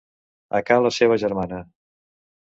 A ca la seva germana.